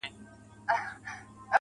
o خدايه له بـهــاره روانــېــږمه.